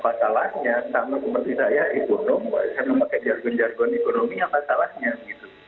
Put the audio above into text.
ya apa salahnya sama seperti saya ikonom saya memakai jargon jargon ekonomi apa salahnya gitu